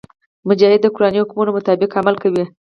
مجاهد د قرآني حکمونو مطابق عمل کوي.